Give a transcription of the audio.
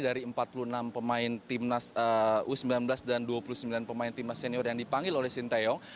dari empat puluh enam pemain timnas u sembilan belas dan dua puluh sembilan pemain timnas senior yang dipanggil oleh sinteyong